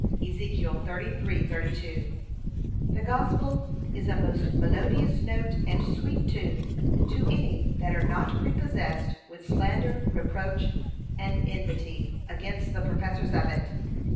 (Ezek. 33:32) The gospel is a most melodious note and sweet tune to any that are not prepossessed with slander, reproach, and enmity against the professors of it.